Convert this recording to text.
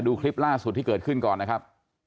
ดูคลิปล่าสุดที่เกิดขึ้นก่อนนะครับ